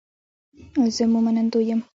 زه مو منندوی یم